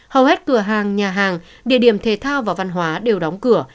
hầu hết cửa hàng nhà hàng địa điểm thể thao và văn hóa đều đóng cửa